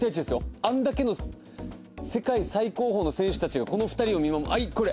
あれだけの世界最高峰の選手たちがこの２人を見守ってはいこれ！